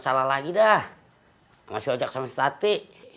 masalah lagi dah masih ojak sama si tati